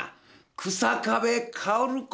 日下部薫子。